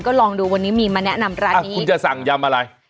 ก็ลองดูวันนี้มีมาแนะนำร้านนี้คุณจะสั่งยำอะไร